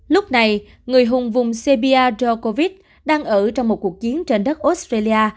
lúc này người hùng vùng serbia do covid một mươi chín đang ở trong một cuộc chiến trên đất australia